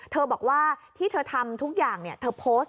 บอกว่าที่เธอทำทุกอย่างเธอโพสต์